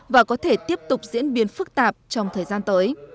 và có thể tiếp tục diễn biến phức tạp trong thời gian tới